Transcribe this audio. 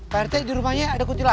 pak rt di rumahnya ada kunti lah